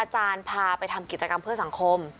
อาจารย์พาไปทำกิจกรรมสังคม